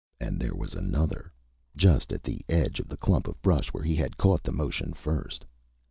And there was another, just at the edge of the clump of brush where he had caught the motion first.